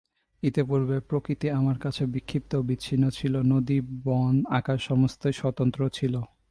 ইতিপূর্বে প্রকৃতি আমার কাছে বিক্ষিপ্ত বিচ্ছিন্ন ছিল, নদী বন আকাশ সমস্তই স্বতন্ত্র ছিল।